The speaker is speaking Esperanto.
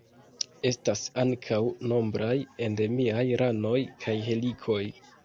Estas ankaŭ nombraj endemiaj ranoj kaj helikoj.